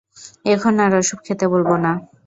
এখন আর ওসব খেতে বলব না।